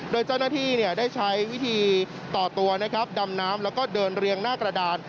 โดยเจ้าหน้าที่ได้ใช้วิธีต่อตัวนะครับดำน้ำแล้วก็เดินเรียงหน้ากระดาน